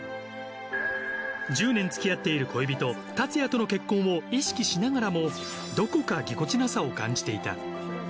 １０年つきあっている恋人達也との結婚を意識しながらもどこかぎこちなさを感じていた。